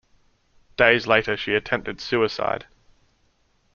Days later, she attempted suicide.